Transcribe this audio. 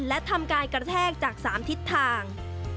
และทำการกระแทกจาก๓ทิศทาง